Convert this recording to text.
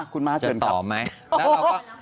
คุณม้าเชิญครับแล้วเราก็จะต่อไหม